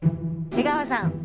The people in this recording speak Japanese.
江川さん